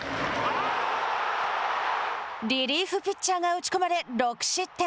リリーフピッチャーが打ち込まれ６失点。